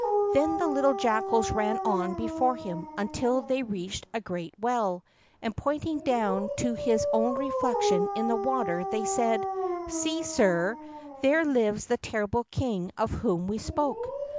Then the little jackals ran on before him until they reached a great well, and, pointing down to his own reflection in the water, they said: "See, sire, there lives the terrible king of whom we spoke."